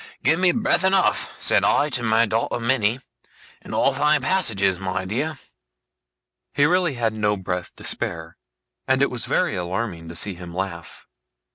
"Give me breath enough," said I to my daughter Minnie, "and I'll find passages, my dear."' He really had no breath to spare, and it was very alarming to see him laugh.